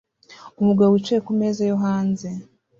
Umugabo wicaye kumeza yo hanze